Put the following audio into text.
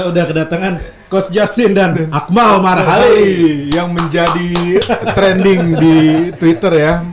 raya telah kedatangan kursusnya sindang haqmal bar pray yang menjadi trending di twitter i'm